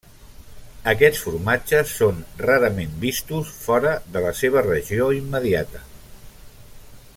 Aquests formatges són rarament vistos fora de la seva regió immediata.